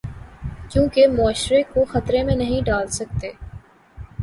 کیونکہ معاشرے کو خطرے میں نہیں ڈال سکتے۔